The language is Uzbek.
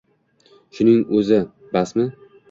— Shuning o‘zi basmi?